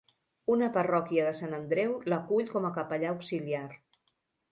Una parròquia de Sant Andreu l'acull com a capellà auxiliar.